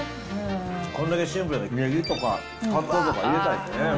こんだけシンプルならネギとかカツオとか入れたいですね。